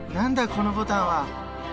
このボタンは。